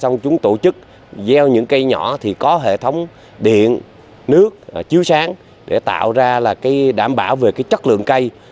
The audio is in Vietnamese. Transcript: nước chiếu sáng để tạo ra đảm bảo về chất lượng cây